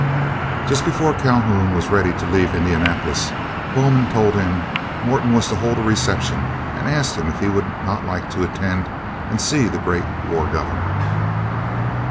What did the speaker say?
Just before Calhoun was ready to leave Indianapolis Bowman told him Morton was to hold a reception, and asked him if he would not like to attend and see the great War Governor.